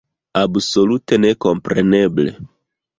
Absolute nekompreneble!